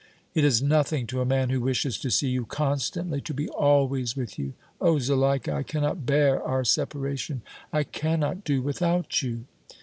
"It is nothing to a man who wishes to see you constantly, to be always with you. Oh! Zuleika, I cannot bear our separation, I cannot do without you!"